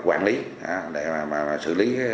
quản lý để mà xử lý